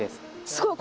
すごい！